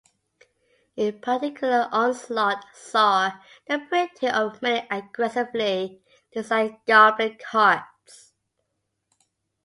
In particular, Onslaught saw the printing of many aggressively designed goblin cards.